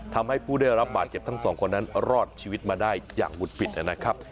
ทำให้ผู้ได้รับบาดเจ็บทั้งสองคนนั้นรอดชีวิตมาได้อย่างบุดหวิดนะครับ